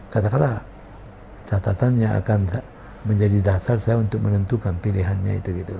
tidak ada catatan yang akan menjadi dasar saya untuk menentukan pilihannya